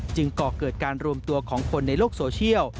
ก่อเกิดการรวมตัวของคนในโลกโซเชียล